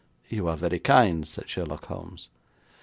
'You are very kind,' said Sherlock Holmes.